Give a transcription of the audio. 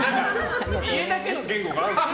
家だけの言語があるんですか？